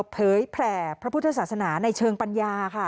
เผยแผ่พระพุทธศาสนาในเชิงปัญญาค่ะ